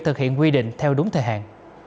thực hiện quy định theo đúng thời hạn